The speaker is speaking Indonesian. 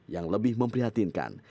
yang lebih memprihatinkan